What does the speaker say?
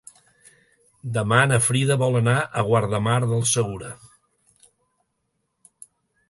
Demà na Frida vol anar a Guardamar del Segura.